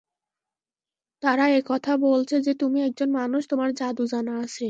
তারা এ কথা বলছে যে, তুমি একজন মানুষ, তোমার জাদু জানা আছে।